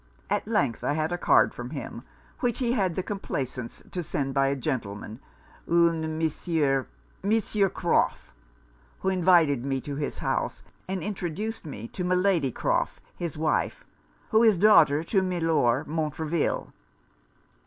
At length I had a card from him, which he had the complaisance to send by a gentleman, un Monsieur Monsieur Croff, who invited me to his house, and introduced me to Milady Croff, his wife, who is daughter to Milor Montreville.